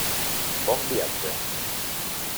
Bon viatge.